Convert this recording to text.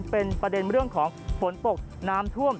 เป็นประเด็นเรื่องของฝนตกน้ำท่วม